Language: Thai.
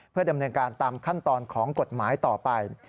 เพื่อดำเนินการตามขั้นตอนของกฎหมายต่อไป